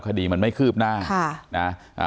คดีมันไม่คืบหน้า